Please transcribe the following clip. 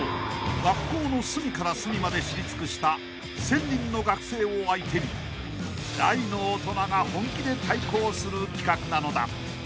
学校の隅から隅まで知り尽くした１，０００人の学生を相手に大の大人が本気で対抗する企画なのだ］